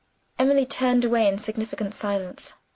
Emily turned away in significant silence.